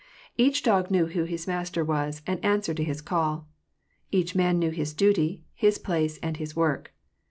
Each dog knew who his master was, and answered to his call. Each man knew his duty, his place, and his work.